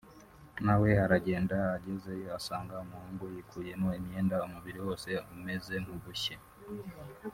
nawe aragenda agezeyo asanga umuhungu yikuyemo imyenda umubiri wose umeze nk’ubushye